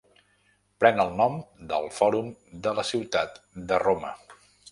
Pren el nom del fòrum de la ciutat de Roma.